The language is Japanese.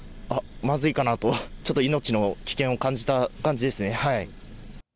あっ、まずいかなと、ちょっと命の危険を感じた感じですね。